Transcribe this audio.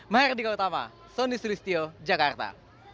mahardika utama sonny sulistyo jakarta